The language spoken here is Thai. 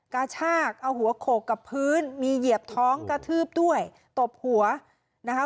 กระชากเอาหัวโขกกับพื้นมีเหยียบท้องกระทืบด้วยตบหัวนะคะ